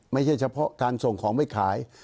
ไม่ใช่เฉพาะการส่งของไปขาย